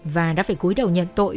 và đã phải cúi đầu nhận tội